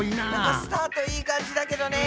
スタートいい感じだけどね。